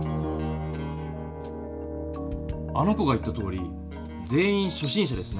あの子が言ったとおり全員しょ心者ですね。